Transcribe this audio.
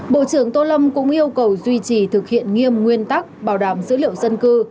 bộ trưởng tô lâm cũng yêu cầu duy trì thực hiện nghiêm nguyên tắc bảo đảm dữ liệu dân cư